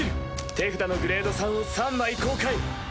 手札のグレード３を３枚公開！